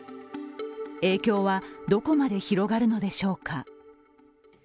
影響はどこまで広がるのでしょうか。